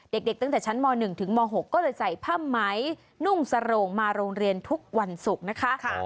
เด็กตั้งแต่ชั้นม๑ถึงม๖ก็เลยใส่ผ้าไหมนุ่งสโรงมาโรงเรียนทุกวันศุกร์นะคะ